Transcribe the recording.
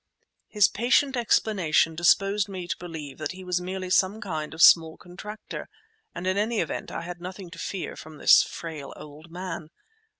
His patient explanation disposed me to believe that he was merely some kind of small contractor, and in any event I had nothing to fear from this frail old man.